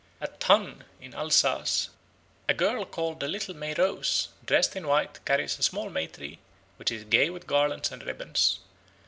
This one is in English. At Thann, in Alsace, a girl called the Little May Rose, dressed in white, carries a small May tree, which is gay with garlands and ribbons.